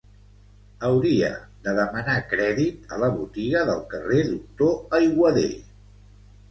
Hauria de demanar crèdit a la botiga del carrer Doctor Aiguader.